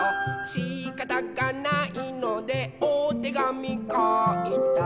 「しかたがないのでおてがみかいた」